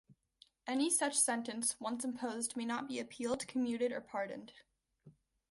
Any such sentence, once imposed, may not be appealed, commuted, or pardoned.